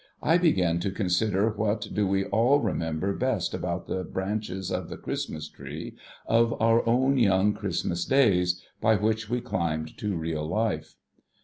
I begin to consider, what do we all rememljcr best upon the branches of the Christmas Tree of our own young Christmas days, by which we climbed to real life.